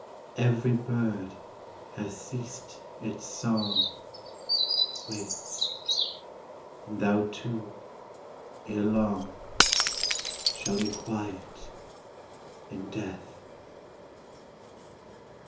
Every bird has ceased its song, Wait ; and thou too, ere long, Shall be quiet in death.